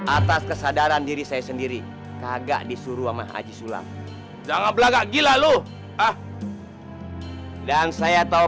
atas kesadaran diri saya sendiri kagak disuruh cajis ulang jangan belagak gila lo ah dan saya tahu